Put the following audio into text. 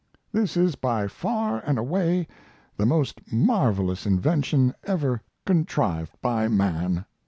This is by far and away the most marvelous invention ever contrived by man.